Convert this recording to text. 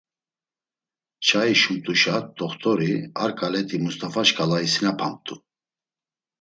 Çai şumt̆uşa T̆oxt̆ori, a ǩaleti Must̆afa şǩala isinapamt̆u.